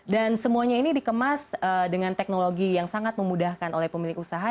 dan semuanya ini dikemas dengan teknologi yang sangat memudahkan oleh pemilik usaha